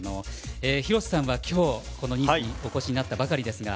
廣瀬さんは今日、ニースにお越しになったばかりですが。